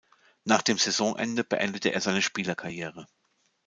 Nach dem Saisonende beendete er seine Spielerkarriere.